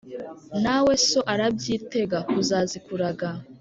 na we so arabyitega kuzazikuraga.